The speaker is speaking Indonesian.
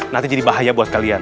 nanti jadi bahaya buat kalian